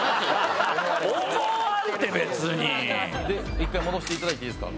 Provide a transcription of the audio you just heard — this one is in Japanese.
１回戻していただいていいですか。